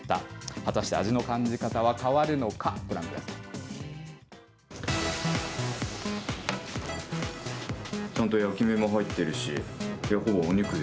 果たして、味の感じ方は変わるのか、ご覧ください。